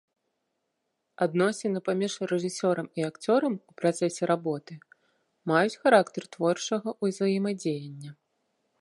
Адносіны паміж рэжысёрам і акцёрам у працэсе работы маюць характар творчага ўзаемадзеяння.